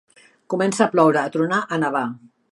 Començar a ploure, a tronar, a nevar.